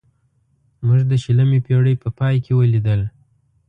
موږ د شلمې پېړۍ په پای کې ولیدل.